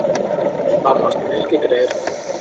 Vamos, tenéis que creerme.